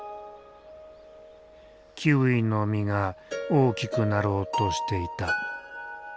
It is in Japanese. キウイの実が大きくなろうとしていた。